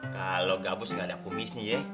kalau gabus nggak ada kumisnya ya